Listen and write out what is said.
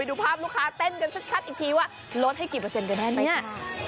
ดูภาพลูกค้าเต้นกันชัดอีกทีว่าลดให้กี่เปอร์เซ็นต์ได้ไหมอ่ะ